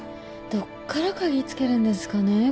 どっから嗅ぎつけるんですかね。